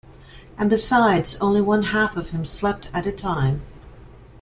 And besides, only one half of him slept at a time.